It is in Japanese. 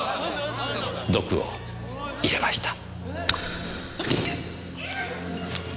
毒を入れました。